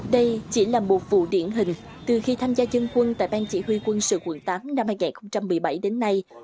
đây chỉ là một vụ điển hình từ khi tham gia dân quân tại bang chỉ huy quân sự quận tám năm hai nghìn một mươi bảy đến nay